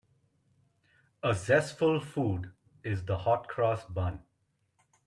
A zestful food is the hot-cross bun.